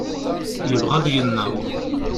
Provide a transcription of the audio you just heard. Yebɣa ad yennaɣ.